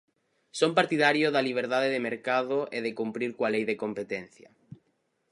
Son partidario da liberdade de mercado e de cumprir coa lei de competencia.